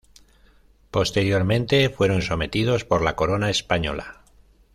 Posteriormente fueron sometidos por la Corona española.